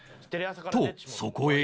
とそこへ